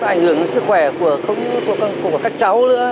ảnh hưởng đến sức khỏe của các cháu nữa